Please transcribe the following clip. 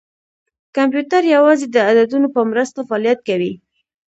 کمپیوټر یوازې د عددونو په مرسته فعالیت کوي.